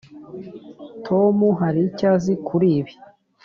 tom hari icyo azi kuri ibi.